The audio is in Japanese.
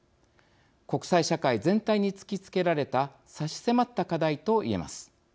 国際社会全体に突きつけられた差し迫った課題と言えます。